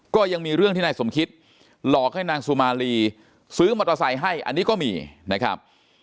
ก็ยังมีเรื่องที่นายสมคิตหลอกให้นางสุมารีซื้อมอเตอร์ไซค์ให้อันนี้ก็มีนะครับ